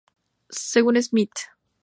Según Smith "et al.